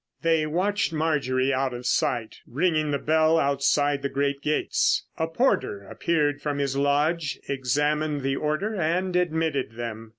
They watched Marjorie out of sight. Ringing the bell outside the great gates, a porter appeared from his lodge, examined the order, and admitted them.